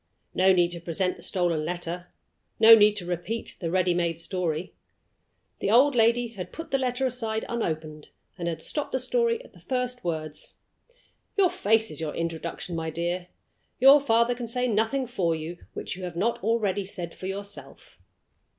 No need to present the stolen letter; no need to repeat the ready made story. The old lady had put the letter aside unopened, and had stopped the story at the first words. "Your face is your introduction, my dear; your father can say nothing for you which you have not already said for yourself."